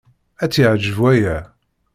Ad tt-yeɛjeb waya.